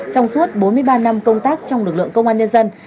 trong suốt bốn mươi ba năm công tác trong lực lượng công an nhân dân